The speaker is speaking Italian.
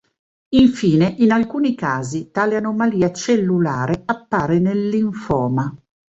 Infine in alcuni casi tale anomalia cellulare appare nel linfoma.